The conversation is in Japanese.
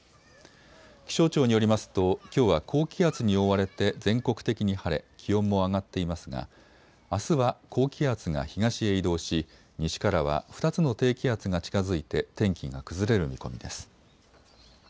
気象庁によりますときょうは高気圧に覆われて全国的に晴れ気温も上がっていますがあすは高気圧が東へ移動し西からは２つの低気圧が近づいて天気が崩れる見込みです。